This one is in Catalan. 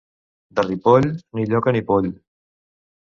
De Ripoll, ni lloca ni poll.